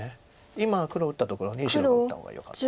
今黒打ったところに白が打った方がよかった。